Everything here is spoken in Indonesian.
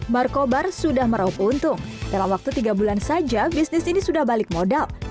markobar sudah meraup untung dalam waktu tiga bulan saja bisnis ini sudah balik modal